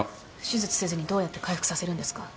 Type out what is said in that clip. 手術せずにどうやって回復させるんですか？